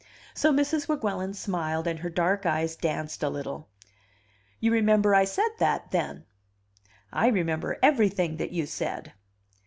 So Mrs. Weguelin smiled and her dark eyes danced a little. "You remember I said that, then?" "I remember everything that you said."